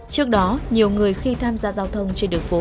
trước đó nhiều người khi tham gia giao thông trên đường phố